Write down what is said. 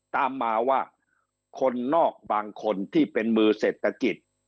ตามมาว่าคนนอกบางคนที่เป็นมือเศรษฐกิจ